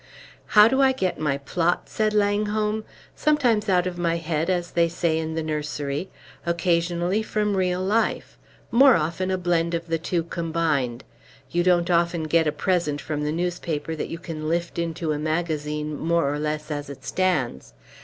"How do I get my plots?" said Langholm. "Sometimes out of my head, as they say in the nursery; occasionally from real life; more often a blend of the two combined. You don't often get a present from the newspaper that you can lift into a magazine more or less as it stands.